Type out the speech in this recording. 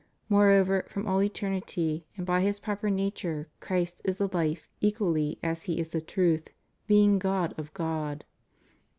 Moreover from all eternity, and by His proper nature Christ is the Life equally as He is the Truth, being God of God.